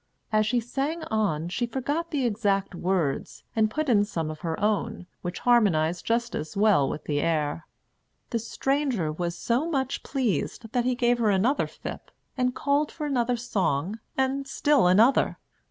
As she sang on, she forgot the exact words, and put in some of her own, which harmonized just as well with the air. The stranger was so much pleased, that he gave her another fip, and called for another song, and still another.